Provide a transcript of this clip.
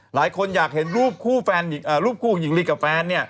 หลายคนอยากเห็นรูปคู่หญิงลีกับแฟน